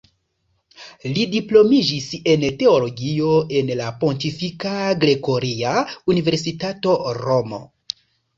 Li diplomiĝis en teologio en la Pontifika Gregoria Universitato, Romo.